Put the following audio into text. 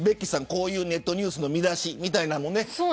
こういうネットニュースの見出しみたいなのもね。